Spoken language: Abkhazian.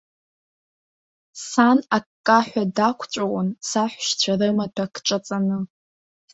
Сан, аккаҳәа дақәҵәыуон саҳәшьцәа рымаҭәа кҿаҵаны.